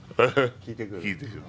聞いてくる？